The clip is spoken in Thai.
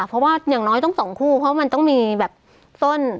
เพราะว่าอย่างน้อยต้องสองคู่เพราะมันต้องมีแบบต้น